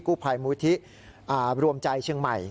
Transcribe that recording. กู้ภัยมูลที่รวมใจเชียงใหม่